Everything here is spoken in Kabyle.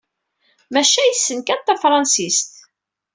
Maca yessen kan tafransist.